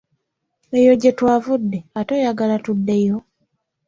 Eyo gye twavudde ate oyagala tuddeyo?